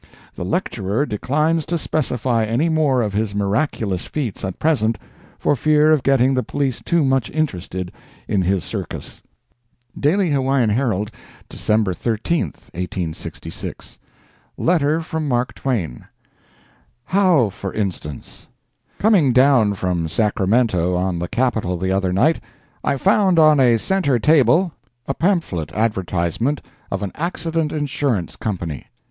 "The lecturer declines to specify any more of his miraculous feats at present, for fear of getting the police too much interested in his circus." DAILY HAWAIIAN HERALD, December 13, 1866 LETTER FROM MARK TWAIN. HOW FOR INSTANCE? Coming down from Sacramento on the Capital the other night, I found on a centre table a pamphlet advertisement of an Accident Insurance Company.